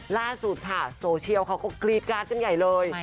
ล่าสุดค่ะโซเชียลเขาก็กรี๊ดการ์ดกันใหญ่เลย